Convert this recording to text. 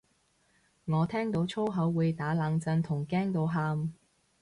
我聽到粗口會打冷震同驚到喊